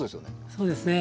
そうですね。